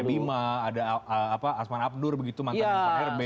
ada misalnya arya bima ada asman abdur begitu mantan pak herbe